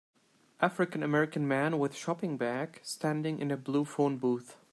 African American man with shopping bag standing in a blue phone booth.